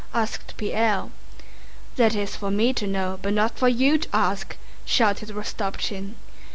asked Pierre. "That is for me to know, but not for you to ask," shouted Rostopchín.